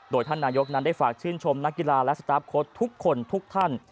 โดยท่านนายกนั้นได้ฝากชื่นชมนักกีฬาและสตาร์ฟโค้ดทุกคนทุกท่าน